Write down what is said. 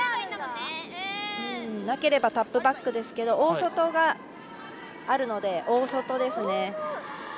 なければタップバックですけど大外があるので大外ですね。